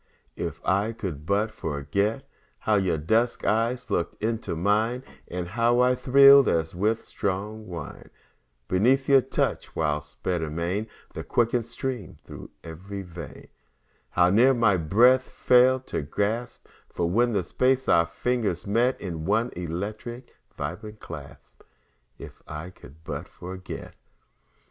If I could but forget How your dusk eyes look into mine, And how I thrilled as with strong wine Beneath your touch; while sped amain The quickened stream thro' ev'ry vein; How near my breath fell to a gasp, When for a space our fingers met In one electric vibrant clasp, If I could but forget.